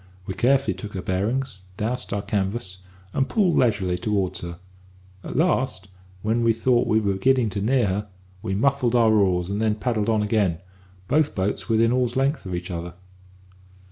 We carefully took her bearings, dowsed our canvas, and pulled leisurely towards her. At last, when we thought we were beginning to near her, we muffled our oars, and then paddled on again, both boats within oar's length of each other.